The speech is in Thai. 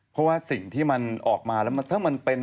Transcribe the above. พอว่าสิ่งที่มันออกมาถ้ามันเป็น